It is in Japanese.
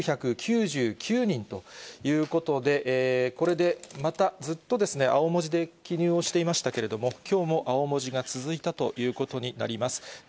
２９９９人ということで、これでまたずっとですね、青文字で記入していましたけれども、きょうも青文字が続いたということになります。